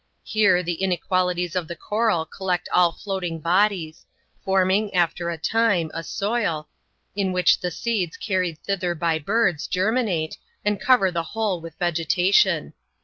Here, the inequalities of the coral collect all floating bodies ; forming, after a time, a soil, in wliich the seeds carried thither by birds, germinate, and cover the whole with vesgetation.